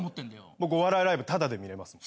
僕お笑いライブタダで見れますもん。